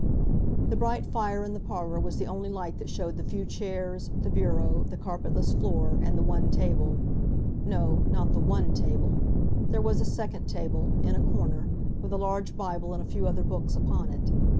The bright fire in the parlour was the only light that showed the few chairs, the bureau, the carpetless floor, and the one table—no, not the one table; there was a second table, in a corner, with a large Bible and a few other books upon it.